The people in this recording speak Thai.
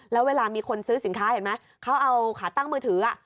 แล้วเวลามีคนซื้อสินค้าเห็นไหมเขาเอาขาตั้งมือถือ